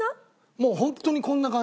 もうホントにこんな感じ。